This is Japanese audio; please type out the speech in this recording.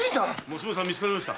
娘さんは見つかりました？